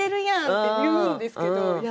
って言うんですけどいや